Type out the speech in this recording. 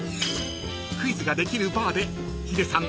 ［クイズができるバーでヒデさん